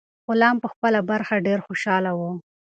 غلام په خپله برخه ډیر خوشاله و.